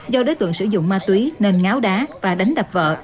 do đối tượng sử dụng ma túy nên ngáo đá và đánh đập vợ